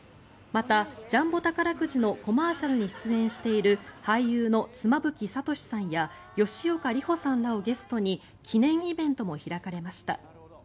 また、ジャンボ宝くじのコマーシャルに出演している俳優の妻夫木聡さんや吉岡里帆さんらをゲストに記念イベントも開かれました。